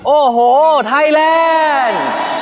โอ้โหไทยแล้ว